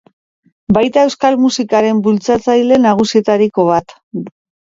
Baita euskal musikaren bultzatzaile nagusietariko bat.